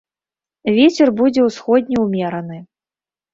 Вецер будзе ўсходні ўмераны.